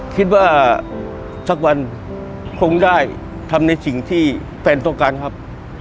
คิดว่าสักวันคงได้ทำในสิ่งที่แฟนต้องการครับ